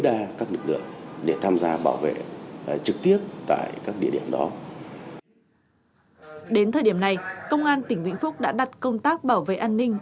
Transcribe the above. đến thời điểm này công an tỉnh vĩnh phúc đã đặt công tác bảo vệ an ninh